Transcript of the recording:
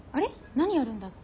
何やるんだっけ。